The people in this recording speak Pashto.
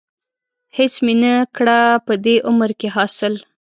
هېڅ مې نه کړه په دې عمر کې حاصل.